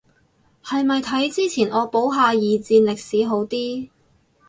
係咪睇之前惡補下二戰歷史好啲